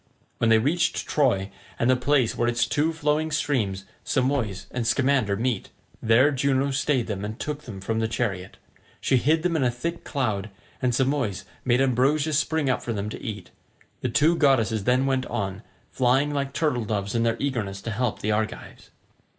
When they reached Troy and the place where its two flowing streams Simois and Scamander meet, there Juno stayed them and took them from the chariot. She hid them in a thick cloud, and Simois made ambrosia spring up for them to eat; the two goddesses then went on, flying like turtledoves in their eagerness to help the Argives.